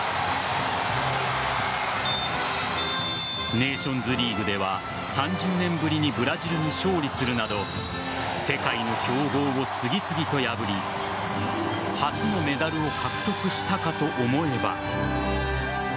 ネーションズリーグでは３０年ぶりにブラジルに勝利するなど世界の強豪を次々と破り初のメダルを獲得したかと思えば。